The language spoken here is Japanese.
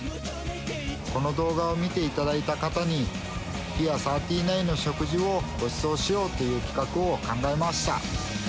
この動画を見ていただいた方に、ピア３９の食事をごちそうしようという企画を考えました。